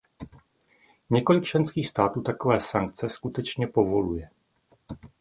Několik členských států takové sankce skutečně povoluje.